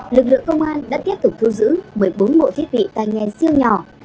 lực lượng công an đã tiếp tục thu giữ một mươi bốn bộ thiết bị tai nghen siêu nhỏ